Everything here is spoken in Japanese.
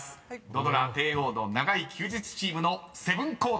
土ドラテイオーの長い休日チームのセブンコード］